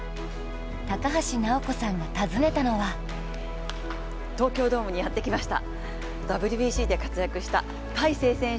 高橋尚子さんが訪ねたのは東京ドームにやってきました。